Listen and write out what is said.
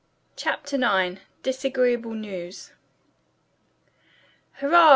CHAPTER IX DISAGREEABLE NEWS "Hurrah!"